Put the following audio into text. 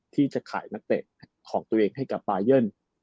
ที่จะขายนักเตะของตัวเองให้กับบายัน